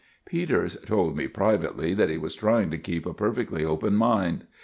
Peters told me privately that he was trying to keep a perfectly open mind.